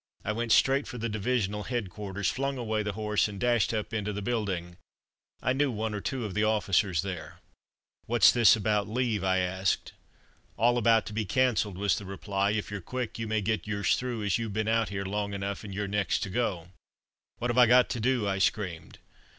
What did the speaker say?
I went straight for the divisional headquarters, flung away the horse and dashed up into the building. I knew one or two of the officers there. "What's this about leave?" I asked. "All about to be cancelled," was the reply. "If you're quick, you may get yours through, as you've been out here long enough, and you're next to go." "What have I got to do?" I screamed.